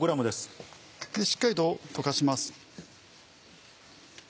しっかりと溶かします。